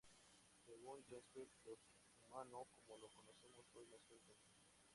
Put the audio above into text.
Según Jaspers, lo humano, como lo conocemos hoy, nació entonces.